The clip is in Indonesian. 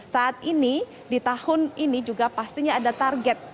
saat ini di tahun ini juga pastinya ada target